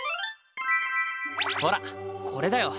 ほらこれだよ！